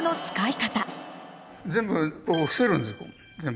全部伏せるんです。